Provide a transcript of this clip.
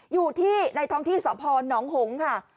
อยู่ที่ในท้องที่สภน้องหงค์ค่ะ